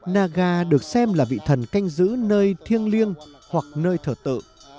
naga được xem là vị thần canh giữ nơi thiêng liêng hoặc nơi thờ tự